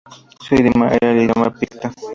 Su idioma era el idioma picto.